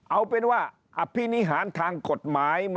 เอาเป็นว่าอภินิหารทางกฎหมาย